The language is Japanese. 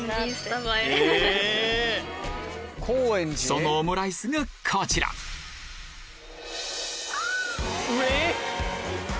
そのオムライスがこちらうぇっ？